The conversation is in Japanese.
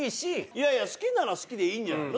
いやいや好きなら好きでいいんじゃないの？